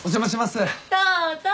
どうぞ。